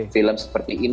film seperti inang